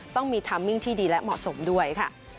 ต้องมีทามมิ่งที่ดีและเหมาะสมด้วยค่ะ